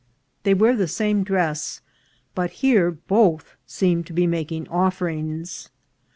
They wear the same dress, but here both seem to be making offerings.